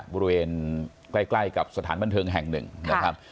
บริเวณใกล้กับสถานบันเทิงแห่งหนึ่งนะครับ